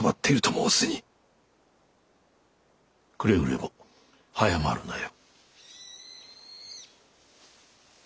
くれぐれも早まるなよ。